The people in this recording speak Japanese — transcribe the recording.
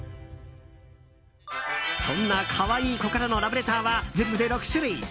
そんなかわいい子からのラブレターは全部で６種類。